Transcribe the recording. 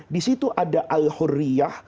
disitu ada al hurriyah